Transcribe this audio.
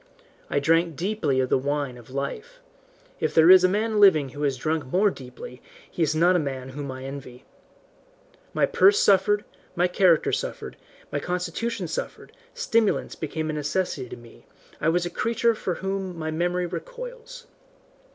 I drank deeply of the wine of life if there is a man living who has drunk more deeply he is not a man whom I envy. My purse suffered, my character suffered, my constitution suffered, stimulants became a necessity to me, I was a creature from whom my memory recoils.